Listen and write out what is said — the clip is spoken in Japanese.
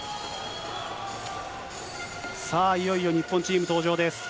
さあ、いよいよ日本チーム登場です。